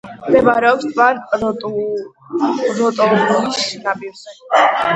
მდებარეობს ტბა როტორუის ნაპირზე.